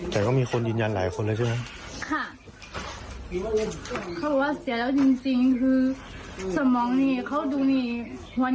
เขาบอกว่าก็จะจะไทรรูปมาให้ดูเด็ก